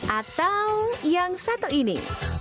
atau yang satu ini